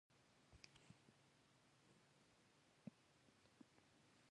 افغانستان د آب وهوا په اړه علمي څېړنې لري.